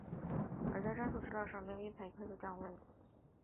而在战术导轨之间设有一排散热孔以加快降温。